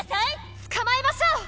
つかまえましょう！